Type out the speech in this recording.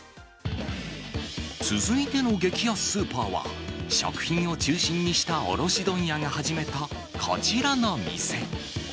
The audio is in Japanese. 続いての激安スーパーは、食品を中心にした卸問屋が始めたこちらの店。